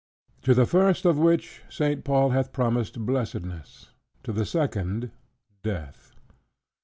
To the first of which St. Paul hath promised blessedness; to the second, death.